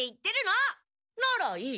ならいい。